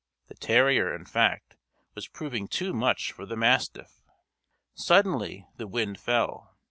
The terrier, in fact, was proving too much for the mastiff. Suddenly the wind fell.